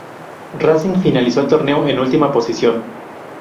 Racing finalizó el torneo en última posición.